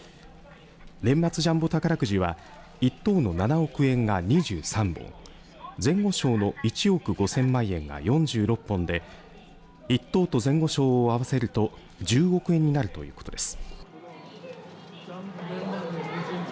年末ジャンボ宝くじは１等の７億円が２３本前後賞の１億５０００万円が４６本で１等と前後賞を合わせると１０億円になるということです。